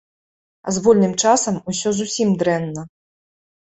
А з вольным часам усё зусім дрэнна.